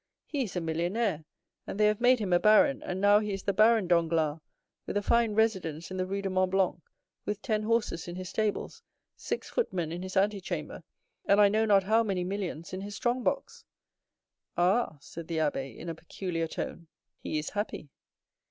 He is a millionaire, and they have made him a baron, and now he is the Baron Danglars, with a fine residence in the Rue du Mont Blanc, with ten horses in his stables, six footmen in his antechamber, and I know not how many millions in his strongbox." "Ah!" said the abbé, in a peculiar tone, "he is happy."